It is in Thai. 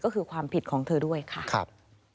ก็คือความผิดของเธอด้วยค่ะครับ